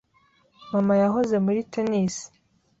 Mama yahoze muri tennis.